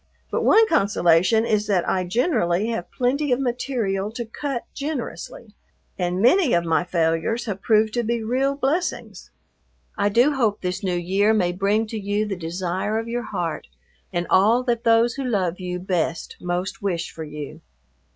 But one consolation is that I generally have plenty of material to cut generously, and many of my failures have proved to be real blessings. I do hope this New Year may bring to you the desire of your heart and all that those who love you best most wish for you.